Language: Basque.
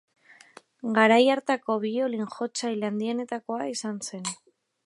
Garai hartako biolin-jotzaile handienetakoa izan zen.